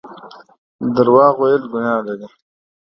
درواغ ويل ګناه لري